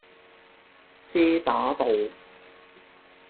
遮打道